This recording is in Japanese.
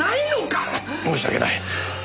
申し訳ない。